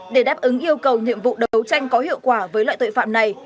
để đáp ứng yêu cầu nhiệm vụ đấu tranh có hiệu quả với loại tội phạm này